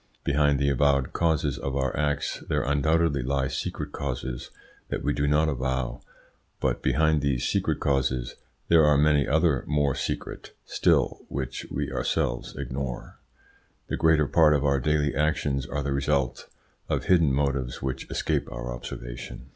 Behind the avowed causes of our acts there undoubtedly lie secret causes that we do not avow, but behind these secret causes there are many others more secret still which we ourselves ignore. The greater part of our daily actions are the result of hidden motives which escape our observation.